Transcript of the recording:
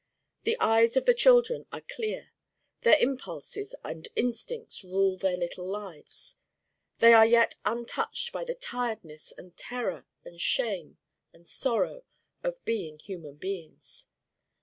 The eyes of the children are clear their impulses and instincts rule their little lives. They are yet untouched by the tiredness and terror and shame and sorrow of being human beings.